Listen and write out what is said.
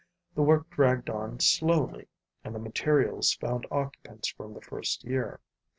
The work dragged on slowly; and the materials found occupants from the first year.